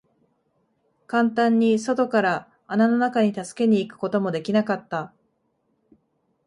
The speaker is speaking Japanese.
簡単に外から穴の中に助けに行くことも出来なかった。